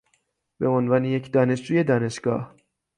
به عنوان یک دانشجوی دانشگاه